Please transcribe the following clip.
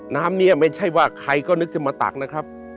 น้ำนี้ไม่ใช่ว่าใครก็นึกจะมาตักนะครับ